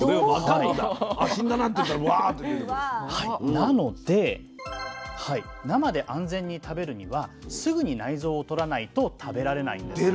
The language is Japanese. なので生で安全に食べるにはすぐに内臓を取らないと食べられないんですね。